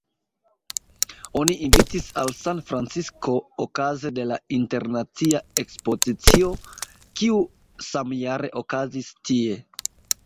Oni invitis al San-Francisko okaze de la Internacia ekspozicio, kiu samjare okazis tie.